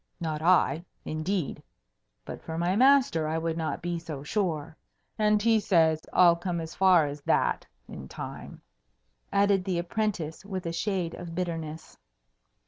"Not I, indeed! But for my master I would not be so sure. And he says I'll come as far as that in time," added the apprentice with a shade of bitterness.